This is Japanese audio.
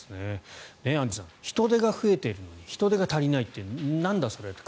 アンジュさん人出が増えているのに人手が足りないといいうなんだそれって。